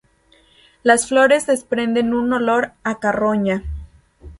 Las flores desprenden un olor a carroña.